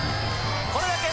これだけ！